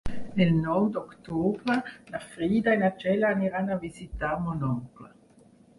El nou d'octubre na Frida i na Txell aniran a visitar mon oncle.